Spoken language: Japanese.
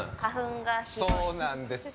そうなんですよ。